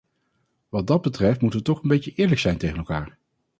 Wat dat betreft moeten we toch een beetje eerlijk zijn tegen elkaar.